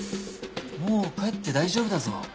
もう帰って大丈夫だぞ。